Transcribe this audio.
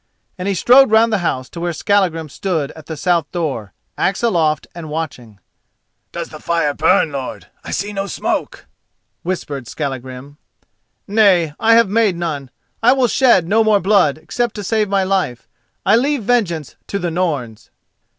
And he strode round the house to where Skallagrim stood at the south door, axe aloft and watching. "Does the fire burn, lord? I see no smoke," whispered Skallagrim. "Nay, I have made none. I will shed no more blood, except to save my life. I leave vengeance to the Norns."